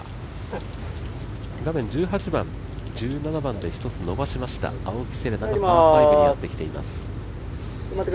１７番で１つ伸ばしました青木瀬令奈が１８番に回ってきています。